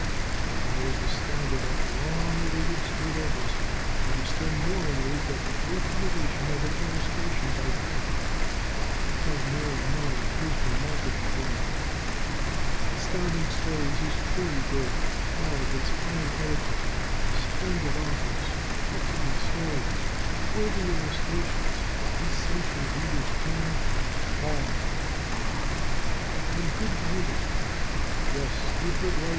But if I was astounded at the long awaited straight edges, I was still more amazed at the great innovation of an illustration by Paul! Let's have more and more of his remarkable drawings. Astounding Stories is truly great now with its fine Editor, splendid Authors, excellent stories, worthy illustrations, essential "Readers' Corner," Paul Ah! and good binding! Yes! You heard right!